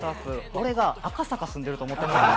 俺が赤坂に住んでると思ってる。